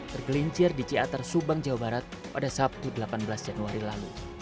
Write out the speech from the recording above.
tergelincir di ciatar subang jawa barat pada sabtu delapan belas januari lalu